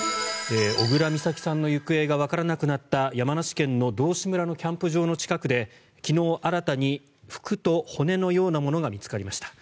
小倉美咲さんの行方がわからなくなった山梨県道志村のキャンプ場の近くで昨日、新たに服と骨のようなものが見つかりました。